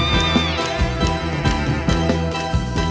กลับไปที่นี่